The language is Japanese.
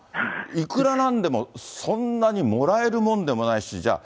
いくらなんでもそんなにもらえるもんでもないし、じゃあ、